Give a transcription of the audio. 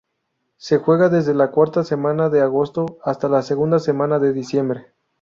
Se juega desde la cuarta semana de agosto hasta la segunda semana de diciembre.